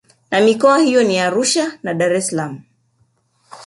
Na mikoa hiyo ni Arusha na Dar es salaam